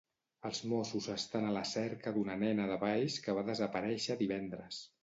Els Mossos estan a la cerca d'una nena de Valls que va desaparèixer divendres.